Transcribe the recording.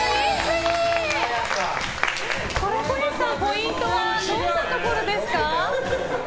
小西さん、ポイントはどんなところですか？